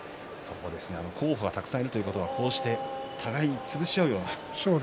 候補がたくさんいるということはお互いに潰し合うような。